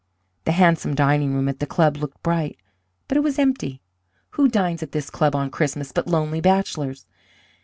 "The handsome dining room at the club looked bright, but it was empty. Who dines at this club on Christmas but lonely bachelors?